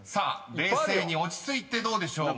［冷静に落ち着いてどうでしょう？